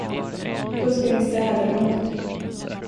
Då skall jag visa ädelmod.